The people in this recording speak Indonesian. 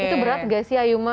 itu berat gak sih ayuma